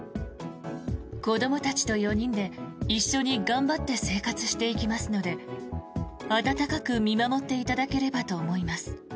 子どもたちと４人で一緒に頑張って生活していきますので温かく見守っていただければと思います。